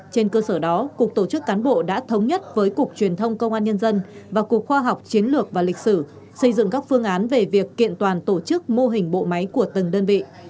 trên cơ sở đó cục tổ chức cán bộ đã thống nhất với cục truyền thông công an nhân dân và cục khoa học chiến lược và lịch sử xây dựng các phương án về việc kiện toàn tổ chức mô hình bộ máy của từng đơn vị